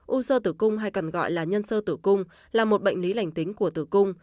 u sơ tử cung hay còn gọi là nhân sơ tử cung là một bệnh lý lành tính của tử cung